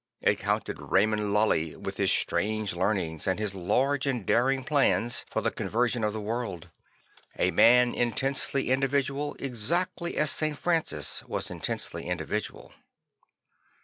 It counted Raymond Lully with his strange learning and his large and daring plans for the conversion of the world; a man intensely individual exactly as St. Francis was intensely individual.